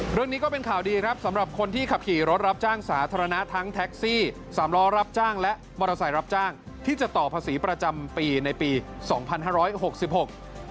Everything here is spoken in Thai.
เรื่องนี้ก็เป็นข่าวดีครับสำหรับคนที่ขับขี่รถรับจ้างสาธารณะทั้งแท็กซี่สามล้อรับจ้างและมอเตอร์ไซค์รับจ้างที่จะต่อภาษีประจำปีในปีสองพันห้าร้อยหกสิบหก